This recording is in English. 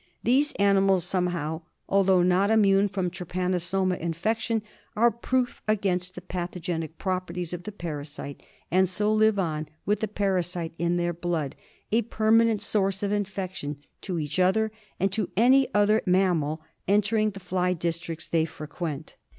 These animals somehow, although not immune from trypanosoma infection, are proof against the pathogenic properties of the parasite, and so live on with the parasite in their blood, a permanent source of infection to each other, and to any other mammal entering the fly districts they frequent.